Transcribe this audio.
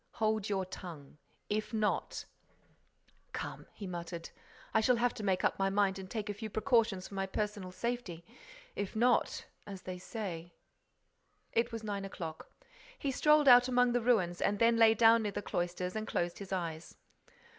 Hold your tongue. If not—" "Come," he muttered. "I shall have to make up my mind and take a few precautions for my personal safety. If not, as they say—" It was nine o'clock. He strolled about among the ruins and then lay down near the cloisters and closed his eyes.